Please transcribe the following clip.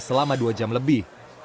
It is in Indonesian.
selama dua jam lebih